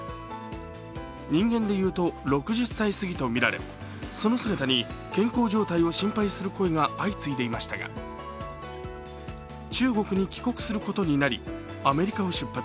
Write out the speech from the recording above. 人間で言うと６０歳すぎとみられその姿に健康状態を心配する声が相次いでいましたが中国に帰国することになりアメリカを出発。